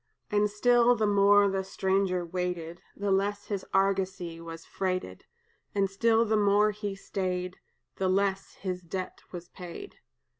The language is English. "And still, the more the stranger waited, The less his argosy was freighted; And still the more he stayed, The less his debt was paid.